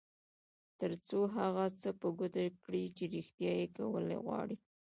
تر څو هغه څه په ګوته کړئ چې رېښتيا یې کول غواړئ.